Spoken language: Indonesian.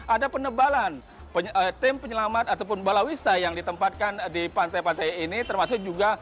ada penebalan tim penyelamat ataupun balawista yang ditempatkan di pantai pantai ini termasuk juga